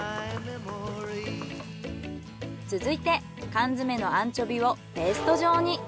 続いて缶詰のアンチョビをペースト状に。